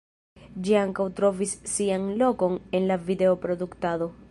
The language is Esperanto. Ĝi ankaŭ trovis sian lokon en la video-produktado.